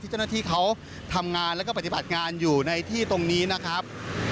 เจ้าหน้าที่เขาทำงานแล้วก็ปฏิบัติงานอยู่ในที่ตรงนี้นะครับ